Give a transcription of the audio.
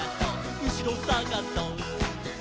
うしろさがそっ！」